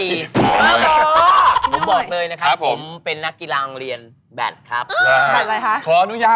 สามารถรับชมได้ทุกวัย